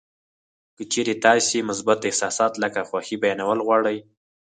که چېرې تاسې مثبت احساسات لکه خوښي بیانول غواړئ